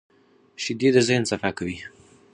شیدې د ذهن صفا کوي